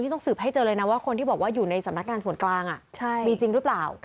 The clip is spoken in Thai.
ต้องสืบให้เจอเลยนะว่าคนที่บอกว่าอยู่ในสำนักงานส่วนกลางมีจริงหรือเปล่า